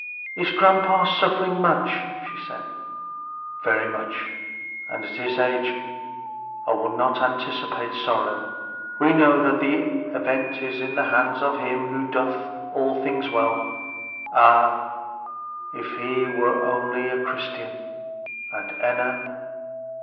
"Is grandpa suffering much?" she asked. "Very much; and at his age but I will not anticipate sorrow; we know that the event is in the hands of him who doeth all things well. Ah, if he were only a Christian! And Enna!